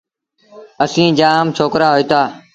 اسيٚݩ جآم ڇوڪرآ هوئيٚتآ۔